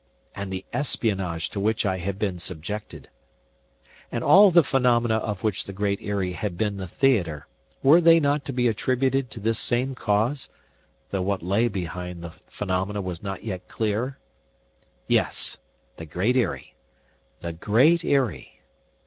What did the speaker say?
And the espionage to which I had been subjected! And all the phenomena of which the Great Eyrie had been the theater, were they not to be attributed to this same cause—though what lay behind the phenomena was not yet clear? Yes, the Great Eyrie! The Great Eyrie!